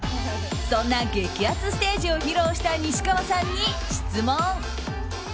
そんな激熱ステージを披露した西川さんに質問。